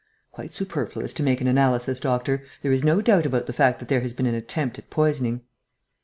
"Quite superfluous to make an analysis, doctor. There is no doubt about the fact that there has been an attempt at poisoning."